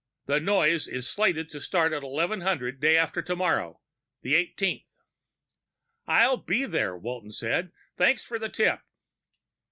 The noise is slated to start at 1100, day after tomorrow. The eighteenth." "I'll be there," Walton said. "Thanks for the tip."